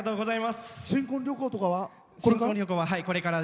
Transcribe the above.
新婚旅行とかは、これから？